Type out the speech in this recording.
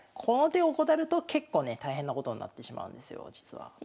この手怠ると結構ね大変なことになってしまうんですよ実は。